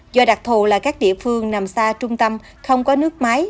do đặc thù là các địa phương nằm xa trung tâm không có nước máy